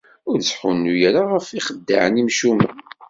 Ur ttḥunnu ara ɣef yixeddaɛen imcumen!